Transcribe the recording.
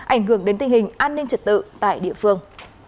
ảnh hưởng đến tình hình an ninh trật tự tại địa phương